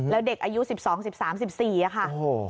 แล้วเด็กอายุ๑๒๑๓๑๔ค่ะ